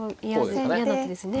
嫌な手ですね。